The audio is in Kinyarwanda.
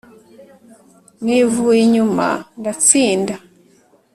nivuye inyuma ndatsinda